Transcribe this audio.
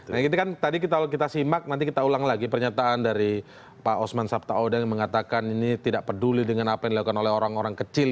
nah itu kan tadi kita simak nanti kita ulang lagi pernyataan dari pak osman sabta odang yang mengatakan ini tidak peduli dengan apa yang dilakukan oleh orang orang kecil